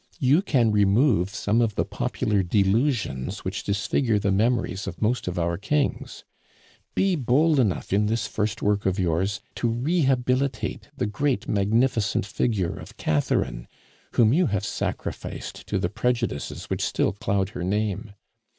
You can remove some of the popular delusions which disfigure the memories of most of our kings. Be bold enough in this first work of yours to rehabilitate the great magnificent figure of Catherine, whom you have sacrificed to the prejudices which still cloud her name.